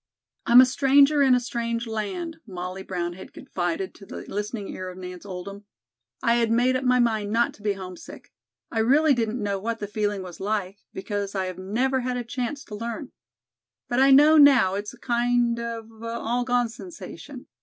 "I'm a stranger in a strange land," Molly Brown had confided to the listening ear of Nance Oldham. "I had made up my mind not to be homesick. I really didn't know what the feeling was like, because I have never had a chance to learn. But I know now it's a kind of an all gone sensation.